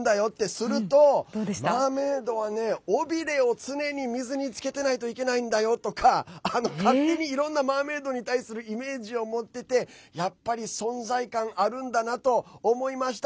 すると、マーメードはね尾びれを常に水につけていないといけないんだよとか勝手にいろんなマーメードに対するイメージを持っててやっぱり存在感あるんだなと思いました。